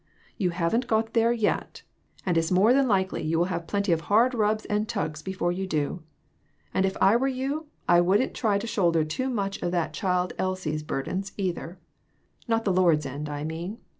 You haven't got there yet ; and its more than likely you will have plenty of hard rubs and 432 j. s. R. tugs before you do. And if I were you, I wouldn't try to shoulder too much of that child Elsie's burdens, either not the Lord's end, I mean.